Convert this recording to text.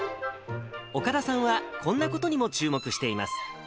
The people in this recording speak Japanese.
岡田さんは、こんなことにも注目しています。